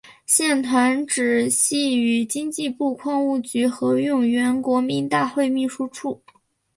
现团址系与经济部矿务局合用原国民大会秘书处。